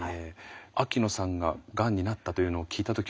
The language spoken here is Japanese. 秋野さんががんになったというのを聞いた時は？